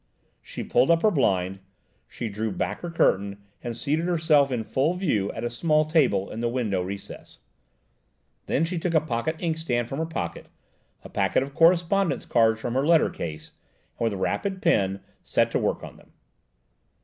She pulled up her blind, she drew back her curtain, and seated herself, in full view, at a small table in the window recess. Then she took a pocket inkstand from her pocket, a packet or correspondence cards from her letter case, and with rapid pen, set to work on them.